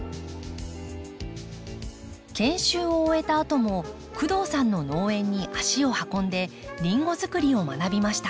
研修を終えたあとも工藤さんの農園に足を運んでリンゴづくりを学びました。